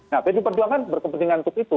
nah pd perjuangan berkepentingan untuk itu